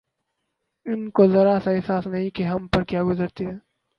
ان کو ذرا سا احساس نہیں کہ ہم پر کیا گزرتی ہے